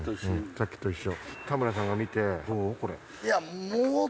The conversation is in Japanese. さっきと一緒。